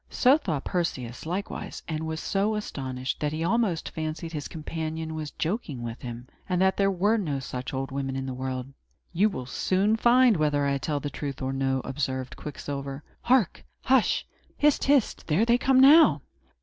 So thought Perseus, likewise, and was so astonished that he almost fancied his companion was joking with him, and that there were no such old women in the world. "You will soon find whether I tell the truth or no," observed Quicksilver. "Hark! hush! hist! hist! There they come, now!"